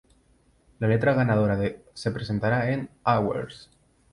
La letra ganadora se presentará en "Hours".